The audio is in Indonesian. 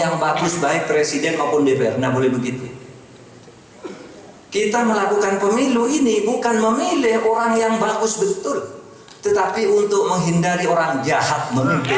misalnya alasan saya mau golput karena tidak ada calon yang bagus